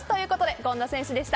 権田選手でした。